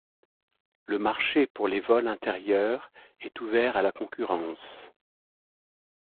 Le marché pour les vols intérieurs est ouvert à la concurrence.